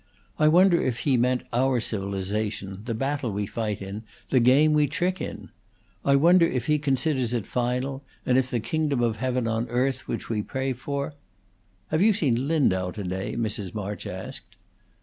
I wonder if He meant our civilization, the battle we fight in, the game we trick in! I wonder if He considers it final, and if the kingdom of heaven on earth, which we pray for " "Have you seen Lindau to day?" Mrs. March asked.